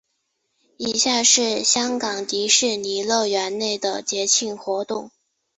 以下是香港迪士尼乐园内的节庆活动。